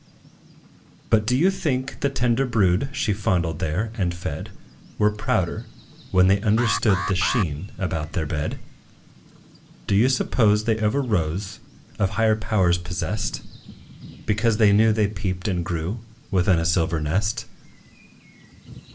But, do you think the tender brood She fondled there, and fed, Were prouder, when they understood The sheen about their bed? Do you suppose they ever rose Of higher powers possessed, Because they knew they peeped and grew Within a silver nest?